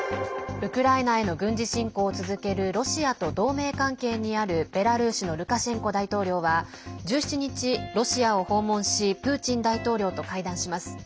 ウクライナへの軍事侵攻を続けるロシアと同盟関係にあるベラルーシのルカシェンコ大統領は１７日、ロシアを訪問しプーチン大統領と会談します。